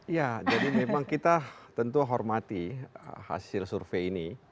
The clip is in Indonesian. ya jadi memang kita tentu hormati hasil survei ini